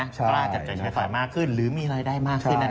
กล้าจับจ่ายใช้ไฟมากขึ้นหรือมีรายได้มากขึ้นนั่นเอง